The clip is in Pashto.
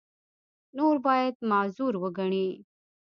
نور باید معذور وګڼي.